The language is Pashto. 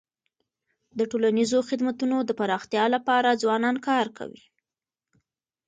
د ټولنیزو خدمتونو د پراختیا لپاره ځوانان کار کوي.